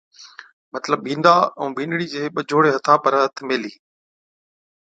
مطلب بِينڏا ائُون بِينڏڙِي چي ٻجھوڙي ھٿان پر ھٿ ميلھِي